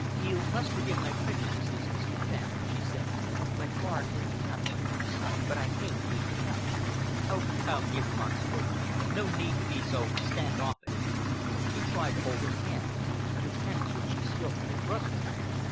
"You must forgive my prejudices, Mr. Fenn," she said "my foreign bringing up, perhaps but I hate being touched." "Oh, come!" he remonstrated. "No need to be so stand offish." He tried to hold her hand, an attempt which she skilfully frustrated.